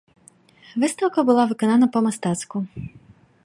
Выстаўка была выканана па-мастацку.